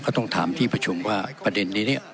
ต้องถามที่ประชุมว่าประเด็นนี้เนี่ย